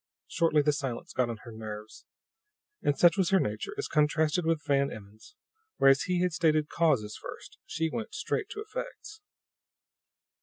Shortly the silence got on her nerves; and such was her nature, as contrasted with Van Emmon's whereas he had stated causes first, she went straight to effects.